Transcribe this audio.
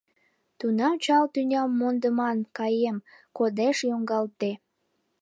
Тунам чал тӱням мондыман, Каем, кодеш йоҥгалтде.